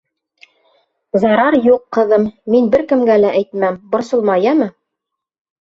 — Зарар юҡ, ҡыҙым, мин бер кемгә лә әйтмәм, борсолма, йәме!..